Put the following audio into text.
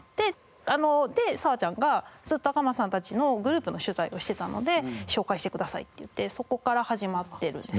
で佐和ちゃんがずっと赤松さんたちのグループの取材をしてたので紹介してくださいって言ってそこから始まってるんです。